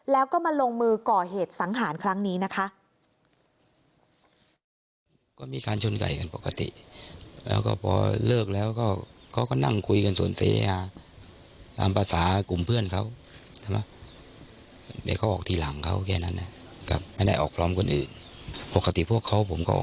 แล้วก็มาลงมือก่อเหตุสังหารครั้งนี้นะคะ